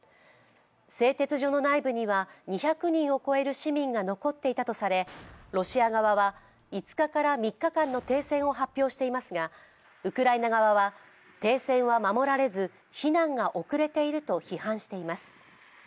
製鉄所の内部には２００人を超える市民が残っていたとされ、ロシア側は５日から３日間の停戦を発表していますが、ウクライナ側は停戦は守られず避難が遅れていると批判しています。